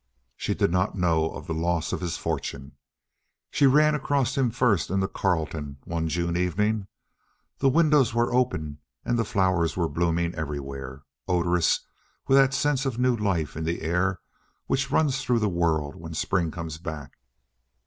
She did not know of the loss of his fortune. She ran across him first in the Carlton one June evening. The windows were open, and the flowers were blooming everywhere, odorous with that sense of new life in the air which runs through the world when spring comes back.